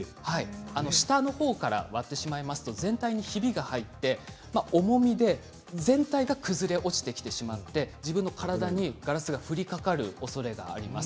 下のほうから割ってしまうと全体にひびが入って重みで全体が崩れ落ちてしまって自分の体にガラスが降りかかるおそれがあります。